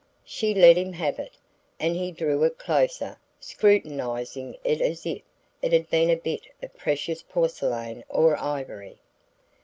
She let him have it, and he drew it closer, scrutinizing it as if it had been a bit of precious porcelain or ivory.